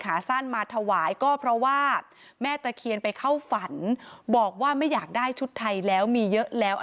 ขาสั้นมาถวายก็เพราะว่าแม่ตะเคียนไปเข้าฝันบอกว่าไม่อยากได้ชุดไทยแล้วมีเยอะแล้ว